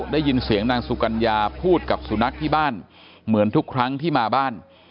ได้ยินเสียงนางสุกัญญาพูดกับสุนัขที่บ้านเหมือนทุกครั้งที่มาบ้าน